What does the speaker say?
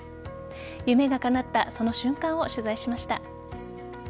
夢がかなったその瞬間を取材しました。